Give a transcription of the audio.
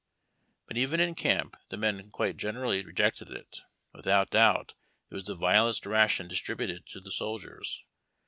But even in camp the men quite generally rejected it. Without doubt, it was the vilest ration distributed to the soldiers.